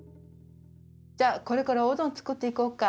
じゃあこれからおうどん作っていこうか。